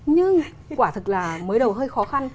nhưng quả thực là mới đầu hơi khó khăn